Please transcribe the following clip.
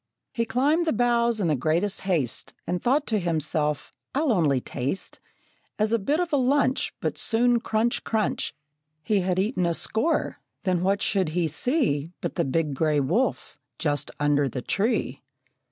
He climbed the boughs in the greatest haste, And thought to himself, "I'll only taste, As a bit of a lunch." But soon, crunch, crunch, He had eaten a score then what should he see But the big gray wolf just under the tree!